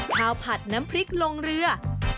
ข้าวผัดน้ำพริกลงเรือ